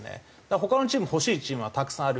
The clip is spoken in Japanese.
他のチーム欲しいチームはたくさんある。